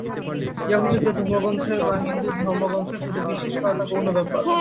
য়াহুদীর ধর্মগ্রন্থে বা হিন্দুর ধর্মগ্রন্থে শুধু বিশ্বাস করাটা গৌণ ব্যাপার।